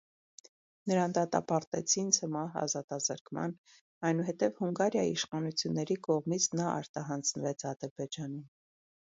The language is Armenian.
Նրան դատապարտեցին ցմահ ազատազրկման, այնուհետև Հունգարիայի իշխանությունների կողմից նա արտահանձնվեց Ադրբեջանին: